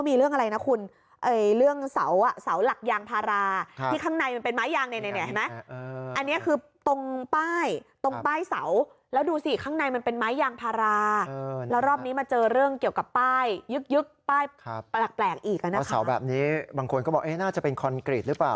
เมื่อเสาร์แบบนี้บางคนก็บอกน่าจะเป็นคอนกรีตหรือเปล่า